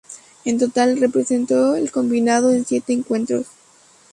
En total, representó al combinado en siete encuentros.